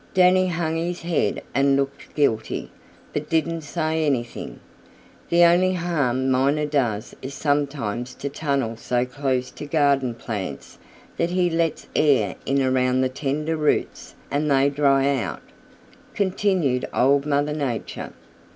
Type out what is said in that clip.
Danny hung his head and looked guilty, but didn't say anything. "The only harm Miner does is sometimes to tunnel so close to garden plants that he lets air in around the tender roots and they dry out," continued Old Mother Nature.